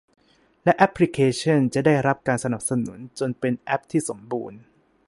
และแอปพลิเคชั่นจะได้รับการสนับสนุนจนเป็นแอปที่สมบูรณ์